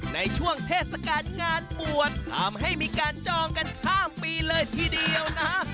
ในช่วงเทศกาลงานบวชทำให้มีการจองกันข้ามปีเลยทีเดียวนะฮะ